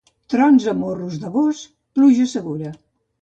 Trons a Morros de gos, pluja segura.